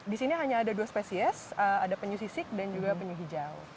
di sini hanya ada dua spesies ada penyu sisik dan juga penyu hijau